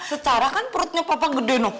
secara kan perutnya papa gede no